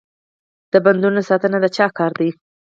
د بندونو ساتنه د چا کار دی؟